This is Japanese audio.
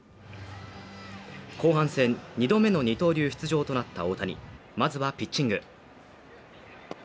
後半戦２度目の二刀流出場となった大谷まずはピッチング。